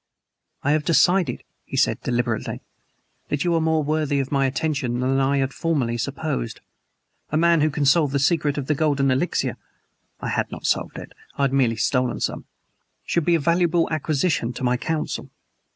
"I have decided," he said deliberately, "that you are more worthy of my attention than I had formerly supposed. A man who can solve the secret of the Golden Elixir (I had not solved it; I had merely stolen some) should be a valuable acquisition to my Council.